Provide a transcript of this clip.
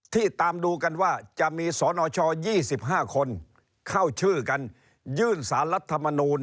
ตามดูกันว่าจะมีสนช๒๕คนเข้าชื่อกันยื่นสารรัฐมนูล